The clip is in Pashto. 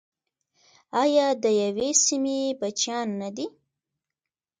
آیا د یوې سیمې بچیان نه دي؟